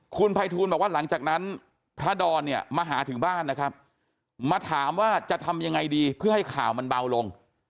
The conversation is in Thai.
คุณภัยทูลบอกว่าหลังจากนั้นพระดอนเนี่ยมาหาถึงบ้านนะครับมาถามว่าจะทำยังไงดีเพื่อให้ข่าวมันเบาลง